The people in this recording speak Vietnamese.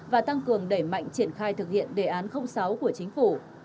và tăng cường đẩy mạnh triển khai thực hiện đề án sáu của chính phủ